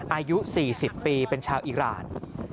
อายุ๔๐ปีเป็นชาวอิราณ